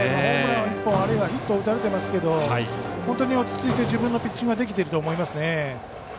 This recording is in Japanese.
ホームラン１本あるいはヒット打たれてますけど本当に落ち着いて自分のピッチングができていると思います。